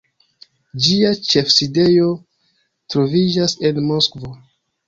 Ĝia ĉefsidejo troviĝas en Moskvo.